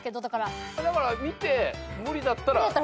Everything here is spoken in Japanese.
だから見て無理だったら。